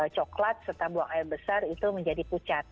coklat serta buang air besar itu menjadi pucat